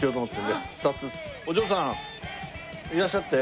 お嬢さんいらっしゃって。